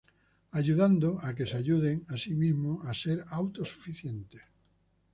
Ayudando a que se ayuden a sí mismo, a ser auto-suficientes.